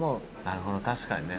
なるほど確かにね。